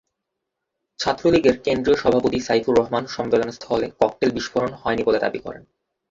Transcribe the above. ছাত্রলীগের কেন্দ্রীয় সভাপতি সাইফুর রহমান সম্মেলনস্থলে ককটেল বিস্ফোরণ হয়নি বলে দাবি করেন।